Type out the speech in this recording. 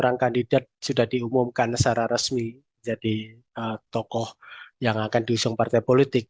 sekarang kandidat sudah diumumkan secara resmi jadi tokoh yang akan diusung partai politik